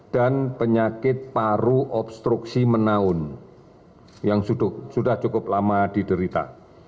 dan penyakit paru obstruksi menaun yang sudah cukup lama diderita